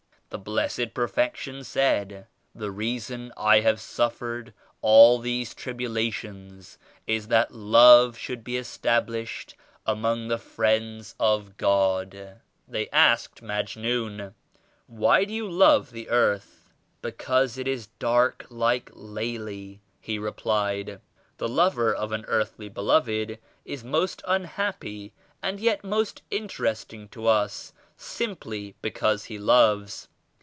The Blessed Perfection said *The reason I have suffered all these tribulations is that Love should be established among the friends of God.' They asked Majnun *Why do you love the earth?' 'Because it is dark like Laila' he replied. The lover of an earthly be loved is most unhappy and yet most interesting to us simply because he loves.